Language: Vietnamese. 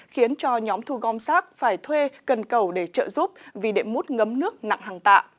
khiến cho nhóm thu gom rác phải thuê cần cầu để trợ giúp vì đệm mút ngấm nước nặng hàng tạ